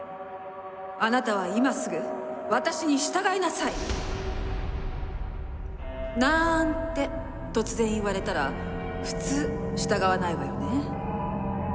「あなたは今すぐ私に従いなさい！」。なんて突然言われたら普通従わないわよね。